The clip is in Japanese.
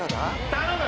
頼む！